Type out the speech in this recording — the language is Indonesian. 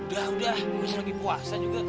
udah udah lagi puasa juga